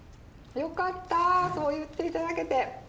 よかったそう言って頂けて。